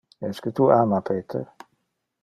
Esque tu ama Peter?